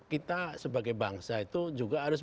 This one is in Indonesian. kita sebagai bangsa itu juga harus